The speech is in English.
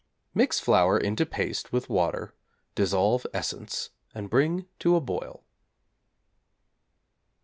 Mix flour into paste with water, dissolve essence, and bring to a boil.